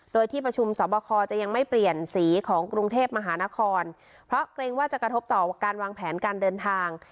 โดยที่ประชุมสอบคอจะยังไม่เปลี่ยนสีของกรุงเทพมหานครเพราะเกรงว่าจะกระทบต่อการวางแผนการเดินทาง